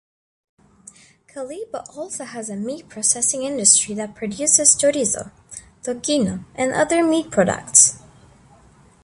Kalibo also has a meat-processing industry that produces "chorizo", "tocino" and other meat products.